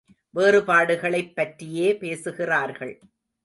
வேறுபாடுகளைப் பற்றியே பேசுகிறார்கள்.